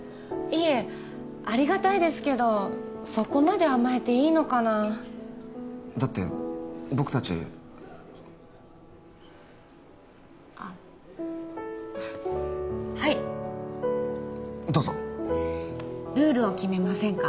いいえありがたいですけどそこまで甘えていいのかなだって僕達あっはいどうぞルールを決めませんか？